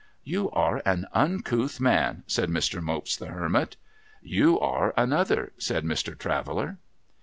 ' You are an uncouth man,' said Mr. Mopes the Hermit. ' You are another,' said Mr. Traveller.